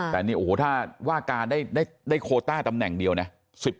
แต่นี่โอ้โหถ้าว่าการได้โคต้าตำแหน่งเดียวนะ